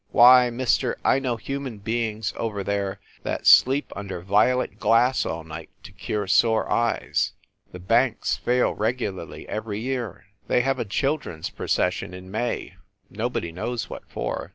Why, mister, I know human beings, over there, that sleep under violet glass all night to cure sore eyes. The banks fail regularly every year. They have a children s procession in May nobody knows what for.